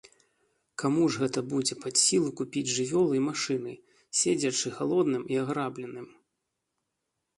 Каму ж гэта будзе пад сілу купіць жывёлу і машыны, седзячы галодным і аграбленым?